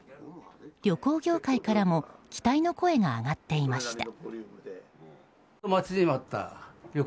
旅行業界からも期待の声が上がっていました。